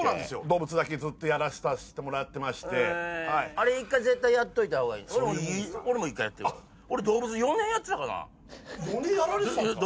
動物だけずっとやらさしてもらってましてあれ１回絶対やっといた方がいい俺も１回やってるから俺動物４年やってたかな４年やられてたんですか？